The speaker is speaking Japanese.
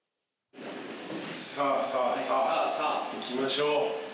さあさあさあ行きましょう。